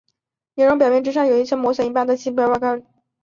熔岩表面之上显示有一圈磨损度一般的细薄坑壁。